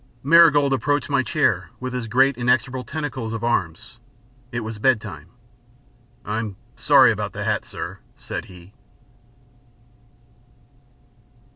Marigold approached my chair with his great inexorable tentacles of arms. It was bed time. "I'm sorry about the hat, sir," said he.